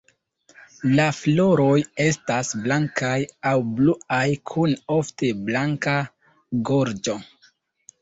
La floroj estas blankaj aŭ bluaj kun ofte blanka gorĝo.